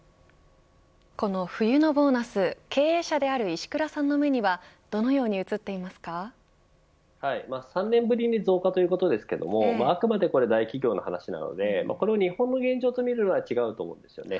この冬のボーナス、経営者である石倉さんの目には３年ぶりに増加ということですけどあくまで大企業の話なのでこれを日本の現状と見るのは違うと思います。